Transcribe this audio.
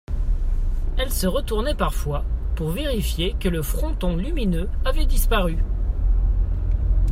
Elle se retournait parfois, pour vérifier que le fronton lumineux avait disparu.